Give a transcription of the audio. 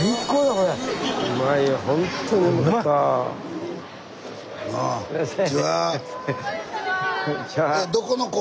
こんにちは。